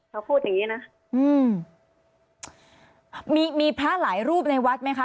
เขาพูดอย่างงี้นะอืมมีมีพระหลายรูปในวัดไหมคะ